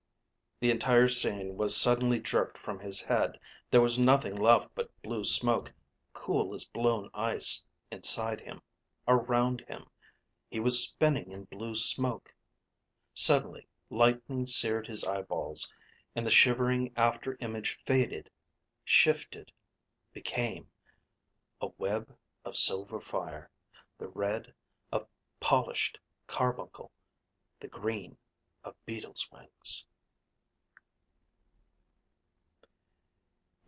_ The entire scene was suddenly jerked from his head. There was nothing left but blue smoke, cool as blown ice, inside him, around him. He was spinning in blue smoke. Sudden lightning seared his eyeballs, and the shivering after image faded, shifted, became ... a web of silver fire, the red of polished carbuncle, the green of beetles' wings.